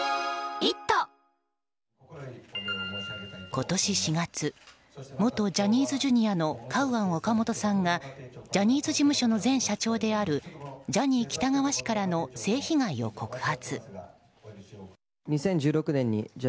今年４月元ジャニーズＪｒ．のカウアン・オカモトさんがジャニーズ事務所の前社長であるジャニー喜多川氏からの性被害を告発。